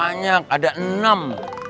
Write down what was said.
banyak ada enam